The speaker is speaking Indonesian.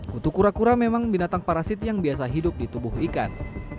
kutu kura kura memang binatang parasit yang biasa hidup di tubuh ikan